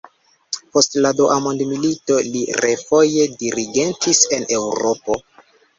Post la dua mondmilito, li refoje dirigentis en Eŭropo.